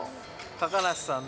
高梨さんの。